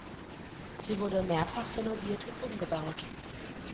Sie wurde mehrfach renoviert und umgebaut.